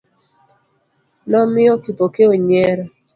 Nomiyo Kipokeo nyiero.